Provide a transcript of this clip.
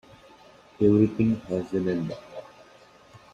Everything has an end.